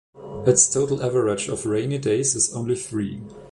Its total average of rainy days is only three.